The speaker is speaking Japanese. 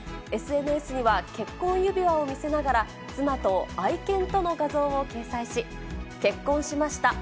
ＳＮＳには、結婚指輪を見せながら、妻と愛犬との画像を掲載し、結婚しました。